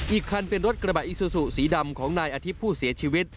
อีกคันเป็นรถกระบะอิซูซูสีดำของนายอาทิตย์ผู้เสียชีวิต